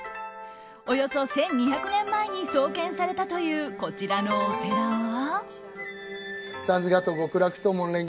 およそ１２００年前に創建されたというこちらのお寺は。